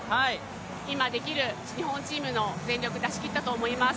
今できる日本チームの全力出し切ったと思います。